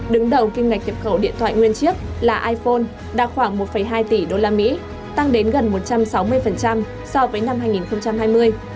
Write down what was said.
đứng đầu kim ngạch nhập khẩu điện thoại nguyên chiếc là iphone đạt khoảng một hai tỷ usd tăng đến gần một trăm sáu mươi so với năm hai nghìn hai mươi